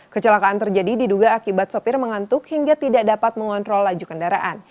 kecelakaan terjadi diduga akibat sopir mengantuk hingga tidak dapat mengontrol laju kendaraan